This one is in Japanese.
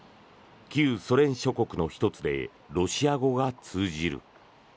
旧ソ連諸国の１つでロシア語が通じる。